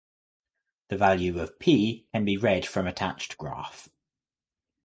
The value of "P" can be read from attached graph.